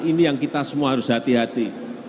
ini yang kita semua harus hati hati